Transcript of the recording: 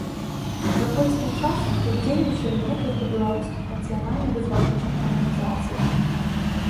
За польскім часам тут дзейнічалі некалькі беларускіх нацыянальна-вызваленчых арганізацый.